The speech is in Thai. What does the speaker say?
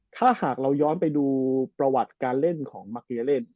ถ้าหากเราย้อนไปดูประวัติการเล่นของมาเกลียเล่น